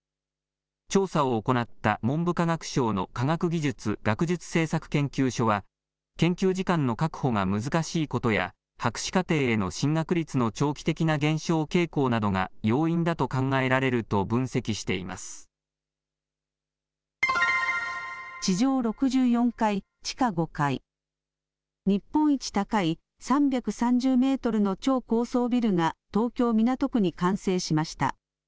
調査を行った文部科学省の科学技術・学術政策研究所は、研究時間の確保が難しいことや、博士課程への進学率の長期的な減少傾向などが要因だと考えられる地上６４階、地下５階、日本一高い３３０メートルの超高層ビルが東京・港区に完成しました。